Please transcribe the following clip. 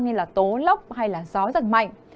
như là tố lốc hay là gió giật mạnh